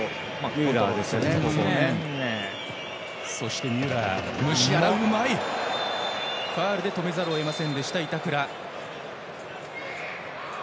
ファウルで止めざるを得ませんでした板倉。